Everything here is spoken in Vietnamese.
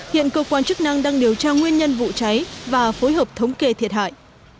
hiện cơ quan chức năng đang điều tra nguyên nhân vụ cháy và phối hợp thống kê thiệt hại